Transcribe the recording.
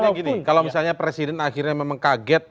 jadi kalau misalnya presiden akhirnya memang kaget